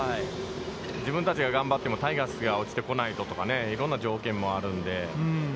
自分たちが頑張っても、タイガースが落ちてこないととか、いろんな条件もあるので。